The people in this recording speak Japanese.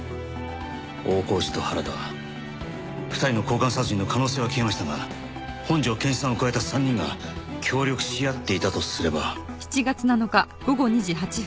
大河内と原田２人の交換殺人の可能性は消えましたが本条健一さんを加えた３人が協力し合っていたとすれば。